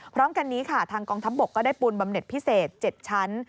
พร้อมกันนี้ค่ะทางกองทัพบกก็ได้ปูนบำเน็ตพิเศษ๗ชั้น